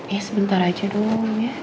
ya sebentar aja dong